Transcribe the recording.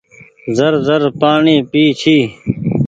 زر زر پآڻيٚ پئي ڇي۔